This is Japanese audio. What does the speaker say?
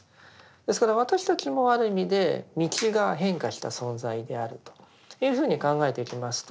ですから私たちもある意味で「道」が変化した存在であるというふうに考えていきますと